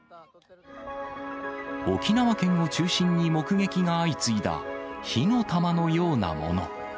沖縄県を中心に目撃が相次いだ火の玉のようなもの。